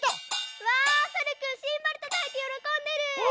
うわさるくんシンバルたたいてよろこんでる！